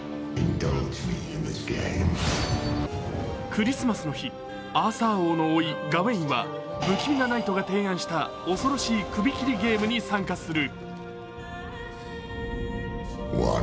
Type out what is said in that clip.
クリスマスの日、アーサー王のおい、ガウェインは不気味なナイトが提案した恐ろしい首切りゲームに参加する。